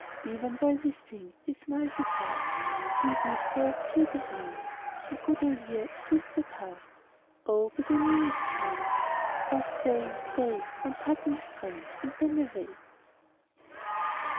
37 Even while we sing he smiles his last And leaves our sphere behind. The good old year is with the past ; Oh be the new as kind ! Oh staj, oh stay, One parting strain, and then away.